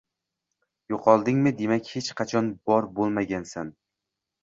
Yo’qoldingmi demak hech qachon bor bo’lmagansan.